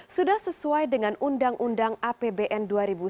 sudah sesuai dengan undang undang apbn dua ribu sembilan belas